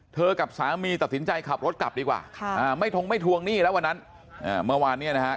กับสามีตัดสินใจขับรถกลับดีกว่าไม่ทงไม่ทวงหนี้แล้ววันนั้นเมื่อวานเนี่ยนะฮะ